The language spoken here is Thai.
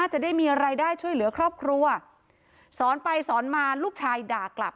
จะได้มีรายได้ช่วยเหลือครอบครัวสอนไปสอนมาลูกชายด่ากลับ